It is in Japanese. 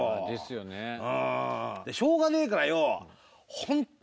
しょうがねえからよ。